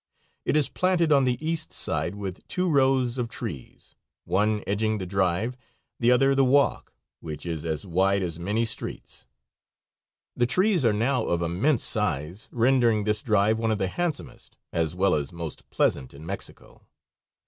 It is planted on the east side with two rows of trees; one edging the drive, the other the walk, which is as wide as many streets. The trees are now of immense size, rendering this drive one of the handsomest, as well as most pleasant, in Mexico.